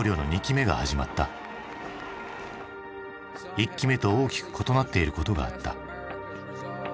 １期目と大きく異なっていることがあった。